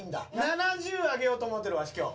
７０をあげようと思ってるわし今日。